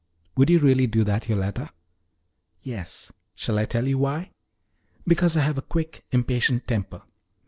"Would you really do that, Yoletta?" "Yes. Shall I tell you why? Because I have a quick, impatient temper.